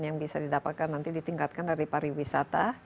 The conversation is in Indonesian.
yang bisa didapatkan nanti ditingkatkan dari pariwisata